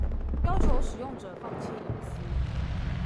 要求使用者放棄隱私